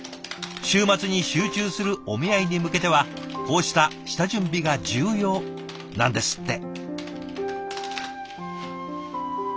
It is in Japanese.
週末に集中するお見合いに向けてはこうした下準備が重要なんですって。